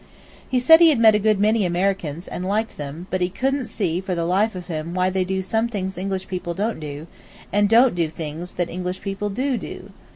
He said he had met a good many Americans, and liked them, but he couldn't see for the life of him why they do some things English people don't do, and don't do things English people do do.